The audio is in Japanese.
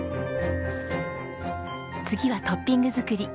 次はトッピング作り。